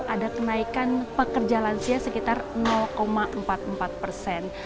ada kenaikan pekerjaan sia sekitar empat puluh empat persen